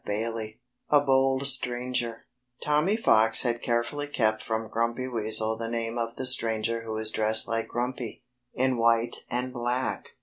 XXIII A BOLD STRANGER Tommy Fox had carefully kept from Grumpy Weasel the name of the stranger who was dressed like Grumpy, in white and black.